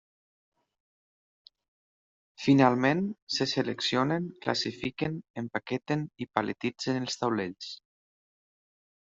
Finalment, se seleccionen, classifiquen, empaqueten i paletitzen els taulells.